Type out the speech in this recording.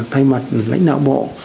thay mặt lãnh đạo bộ